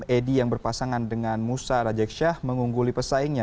edi yang berpasangan dengan musa rajeksyah mengungguli pesaingnya